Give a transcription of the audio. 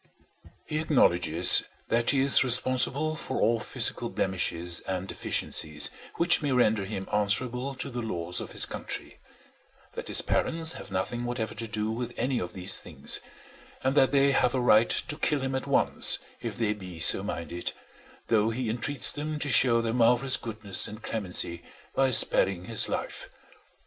He acknowledges that he is responsible for all physical blemishes and deficiencies which may render him answerable to the laws of his country; that his parents have nothing whatever to do with any of these things; and that they have a right to kill him at once if they be so minded, though he entreats them to show their marvellous goodness and clemency by sparing his life.